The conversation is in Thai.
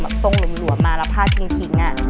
แบบทรงหลวมมาแล้วผ้าทิ้งอะ